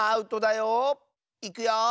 いくよ。